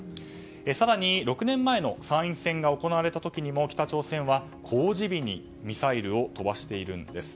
更に６年前の参院選が行われた時も北朝鮮は公示日にミサイルを飛ばしているんです。